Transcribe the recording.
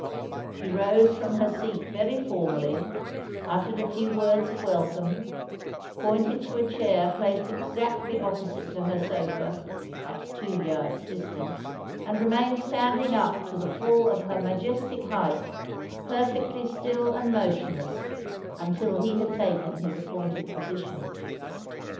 She rose from her seat very formally, uttered a few words of welcome, pointed to a chair placed exactly opposite to her sofa, at two yards' distance, and remained standing up to the full of her majestic height, perfectly still and motionless, until he had taken his appointed position.